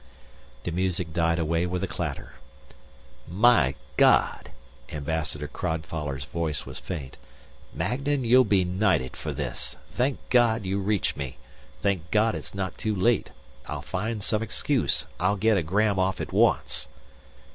The music died away with a clatter. " My God," Ambassador Crodfoller's voice was faint. "Magnan, you'll be knighted for this. Thank God you reached me. Thank God it's not too late. I'll find some excuse. I'll get a gram off at once."